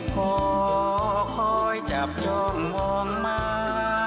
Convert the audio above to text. พอคอยจับยอมมองมา